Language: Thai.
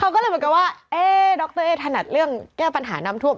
เขาก็เลยบอกกันว่าดรเอ้ยถนัดเรื่องที่จะปัญหาน้ำท่วม